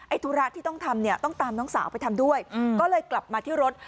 ธุระที่ต้องทำเนี่ยต้องตามน้องสาวไปทำด้วยก็เลยกลับมาที่รถ